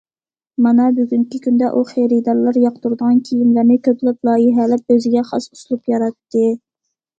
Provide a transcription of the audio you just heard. مانا بۈگۈنكى كۈندە ئۇ خېرىدارلار ياقتۇرىدىغان كىيىملەرنى كۆپلەپ لايىھەلەپ، ئۆزىگە خاس ئۇسلۇب ياراتتى.